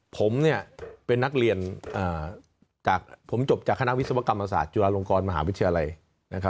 ผมเนี่ยเป็นนักเรียนจากผมจบจากคณะวิศวกรรมอาสาทจุฬาลงกรมหาวิชาไลน์